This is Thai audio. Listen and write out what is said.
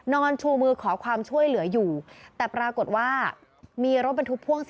ชูมือขอความช่วยเหลืออยู่แต่ปรากฏว่ามีรถบรรทุกพ่วง